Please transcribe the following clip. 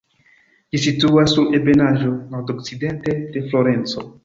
Ĝi situas sur ebenaĵo nordokcidente de Florenco.